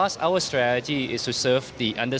jadi strategi kami adalah untuk menangani penggunaan